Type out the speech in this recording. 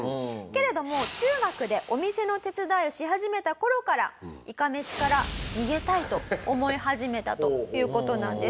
けれども中学でお店の手伝いをし始めた頃から「いかめしから逃げたい」と思い始めたという事なんです。